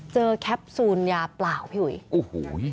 เจอแคปซูลยาเปล่าพี่หุย